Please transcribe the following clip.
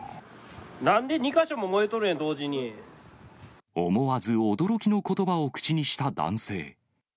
なんで２か所も燃えとるねん、思わず驚きのことばを口にした男性。